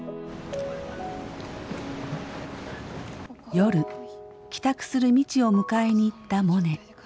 夜帰宅する未知を迎えに行ったモネ。